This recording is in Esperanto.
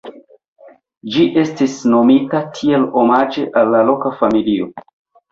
Ĝi estis nomita tiel omaĝe al loka familio.